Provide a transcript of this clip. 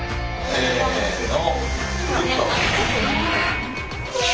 せの！